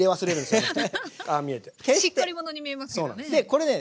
しっかり者に見えますけどね。